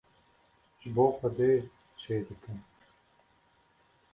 ji bo Xwedê çê dikim.